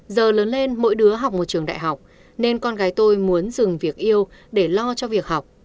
giờ lớn lên mỗi đứa học một trường đại học nên con gái tôi muốn dừng việc yêu để lo cho việc học